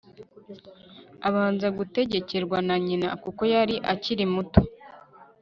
abanza gutegekerwa na nyina kuko yari akiri muto